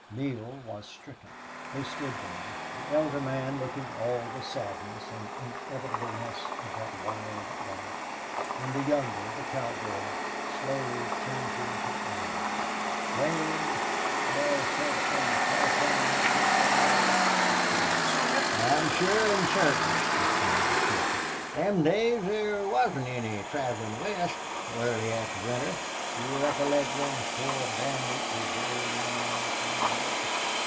Neale was stricken. They stood there, the elder man looking all the sadness and inevitableness of that wild life, and the younger, the cowboy, slowly changing to iron. "Slingerland, you all said some Californy outfit got Allie?" he queried. "I'm sure an' sartin," replied the trapper. "Them days there wasn't any travelin' west, so early after winter. You recollect them four bandits as rode in on us one day?